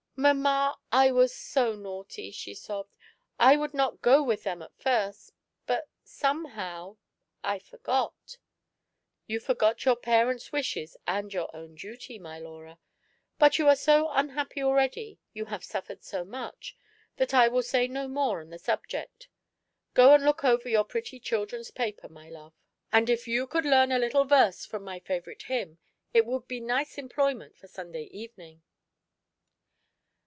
"Mamma^ I was so naughty,'* she sobbed; "I would not go with them at first — but somehow — I forgot "—" You forgot your parents* wishes and your own duty, my Laura. But you are so unhappy already — you have suffered so much — that I will say no more on the subject. Go and look over your pretty *Cliildren*s Paper,* my love; and if you could learn a little verse from my favourite hymn, it would, be nice employment for Sunday evening.